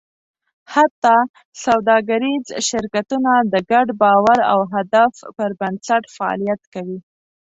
حتی سوداګریز شرکتونه د ګډ باور او هدف پر بنسټ فعالیت کوي.